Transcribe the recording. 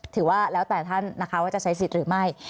ถือว่าแล้วแต่ท่านนะคะว่าจะใช้สิทธิ์หรือไม่